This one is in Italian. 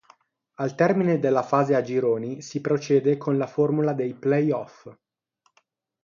Al termine della fase a gironi si procede con la formula dei "play-off".